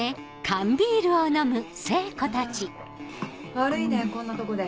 あぁ悪いねこんなとこで。